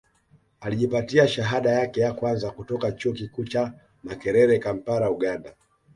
Alijipatia shahada yake ya kwanza kutoka Chuo Kikuu cha Makerere Kampala Uganda